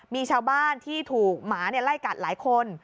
มีชาวบ้านที่ถูกหมาไล่กัดหลายคน